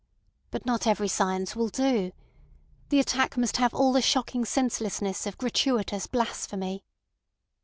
But not every science will do. The attack must have all the shocking senselessness of gratuitous blasphemy.